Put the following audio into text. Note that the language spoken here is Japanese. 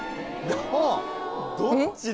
どっちだ？